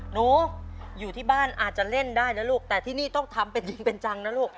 หนูอยู่ที่บ้านอาจจะเล่นได้นะลูกแต่ที่นี่ต้องทำเป็นจริงเป็นจังนะลูก